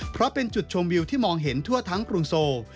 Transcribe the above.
เพราะเป็นจุดชมวิวที่มองเห็นทั่วทั้งกรุงโซล